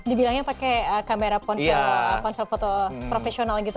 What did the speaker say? dibilangnya pakai kamera ponsel foto profesional gitu